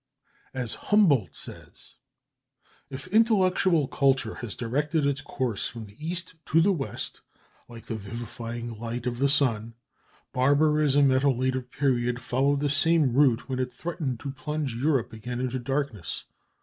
As Humboldt says "If intellectual culture has directed its course from the East to the West, like the vivifying light of the sun, barbarism at a later period followed the same route, when it threatened to plunge Europe again into darkness.